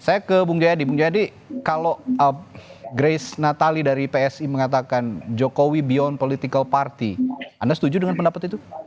saya ke bung jayadi bung jayadi kalau grace natali dari psi mengatakan jokowi beyond political party anda setuju dengan pendapat itu